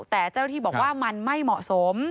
แต่เจ้าหน้าที่บอกว่ามันไม่เหมาะสม